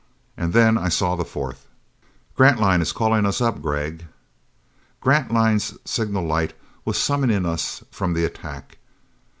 And then I saw the fourth. "Grantline is calling us up, Gregg." Grantline's signal light was summoning us from the attack.